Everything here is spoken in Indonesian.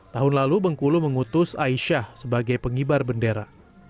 tahun lalu bengkulu mengutus aisyah sebagai pengibar bendera